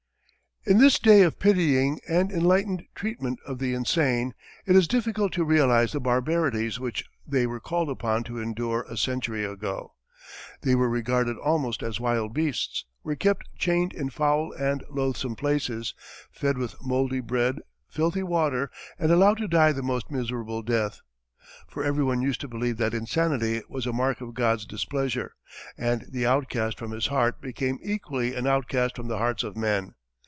In this day of pitying and enlightened treatment of the insane, it is difficult to realize the barbarities which they were called upon to endure a century ago. They were regarded almost as wild beasts, were kept chained in foul and loathsome places, fed with mouldy bread, filthy water, and allowed to die the most miserable death. For everyone used to believe that insanity was a mark of God's displeasure, and the outcast from His heart became equally an outcast from the hearts of men.